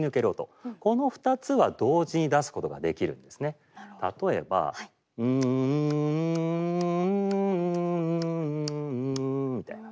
例えば。例えば。みたいな。